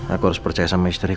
aku harus percaya sama istri